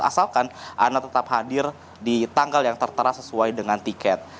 asalkan anda tetap hadir di tanggal yang tertera sesuai dengan tiket